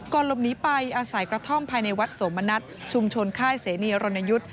หลบหนีไปอาศัยกระท่อมภายในวัดโสมณัฐชุมชนค่ายเสนีรณยุทธ์